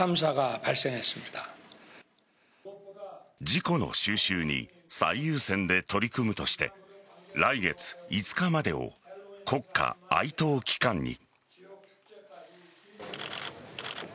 事故の収拾に最優先で取り組むとして来月５日までを国家哀悼期間に。